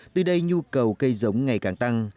từ đây nhu cầu cây giống ngày càng tăng